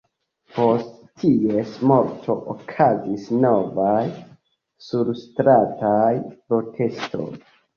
Post ties morto okazis novaj surstrataj protestoj.